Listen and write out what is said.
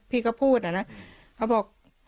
พี่ก็พูดอะนะเขาบอก